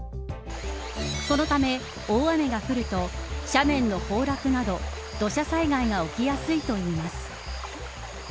そのため、大雨が降ると斜面の崩落など土砂災害が起きやすいといいます。